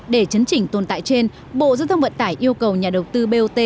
để chấn chỉnh tồn tại trên bộ giao thông vận tải yêu cầu nhà đầu tư bot